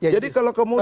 jadi kalau kemudian